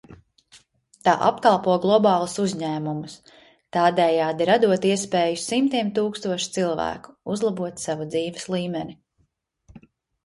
Tā apkalpo globālus uzņēmumus, tādējādi radot iespēju simtiem tūkstošu cilvēku uzlabot savu dzīves līmeni.